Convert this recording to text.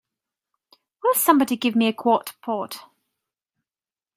Will somebody give me a quart pot?